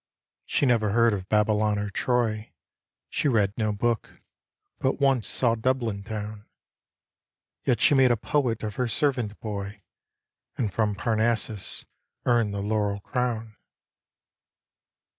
She never heard of Babylon or Troy, She read no book, but once saw Dublin town ; Yet she made a poet of her servant boy And from Parnassus earned the laurel crown.